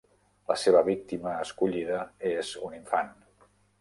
La seva víctima escollida és un infant.